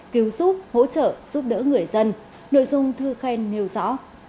cứu giúp hỗ trợ giúp đỡ người dân nội dung thư khen nêu rõ